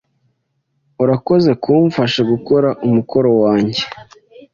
Urakoze kumfasha gukora umukoro wanjye.